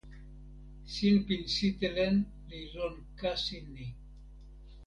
sinpin sitelen li lon kasi ni.